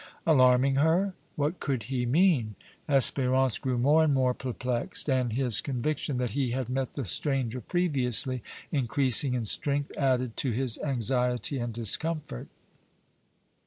Alarming her? What could he mean? Espérance grew more and more perplexed, and his conviction that he had met the stranger previously, increasing in strength, added to his anxiety and discomfort.